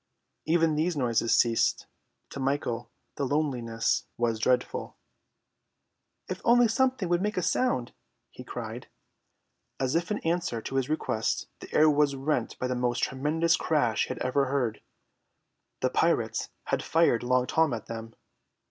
Even these noises ceased. To Michael the loneliness was dreadful. "If only something would make a sound!" he cried. As if in answer to his request, the air was rent by the most tremendous crash he had ever heard. The pirates had fired Long Tom at them.